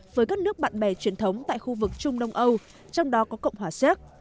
với các nước bạn bè truyền thống tại khu vực trung đông âu trong đó có cộng hòa xéc